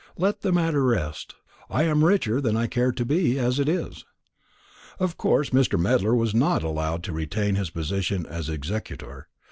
"Let the matter rest. I am richer than I care to be, as it is." Of course Mr. Medler was not allowed to retain his position as executor.